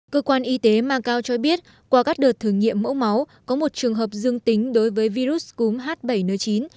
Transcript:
cơ quan y tế macau cho biết qua các đợt thử nghiệm mẫu máu có một trường hợp dương tính đối với virus cúm h bảy n chín